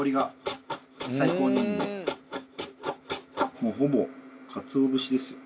もうほぼかつお節ですよ。